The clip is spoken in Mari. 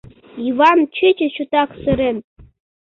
ЙЫВАН ЧӰЧӰ ЧОТАК СЫРЕН